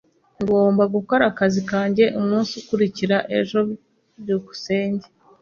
Ngomba gukora akazi kanjye umunsi ukurikira ejo. byukusenge